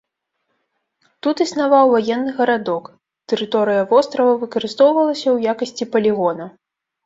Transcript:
Тут існаваў ваенны гарадок, тэрыторыя вострава выкарыстоўвалася ў якасці палігона.